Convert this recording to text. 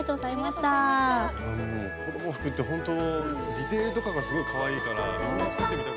子ども服ってほんとディテールとかがすごいかわいいから作ってみたくなります。